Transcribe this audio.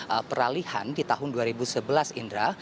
ada peralihan di tahun dua ribu sebelas indra